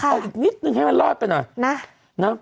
เอาอีกนิดนึงให้มันรอดไปหน่อยนะ